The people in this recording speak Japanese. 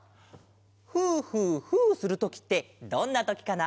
「ふーふーふー」するときってどんなときかな？